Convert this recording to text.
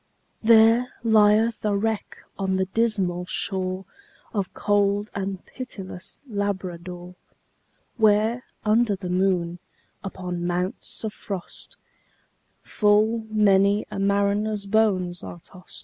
There lieth a wreck on the dismal shore Of cold and pitiless Labrador; Where, under the moon, upon mounts of frost, Full many a mariner's bones are tost.